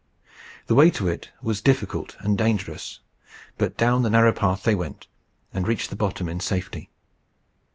The way to it was difficult and dangerous, but down the narrow path they went, and reached the bottom in safety.